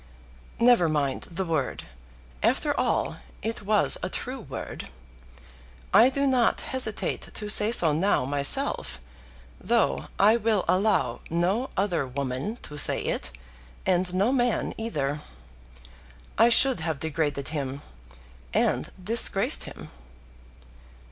"Never mind the word. After all, it was a true word. I do not hesitate to say so now myself, though I will allow no other woman to say it, and no man either. I should have degraded him, and disgraced him."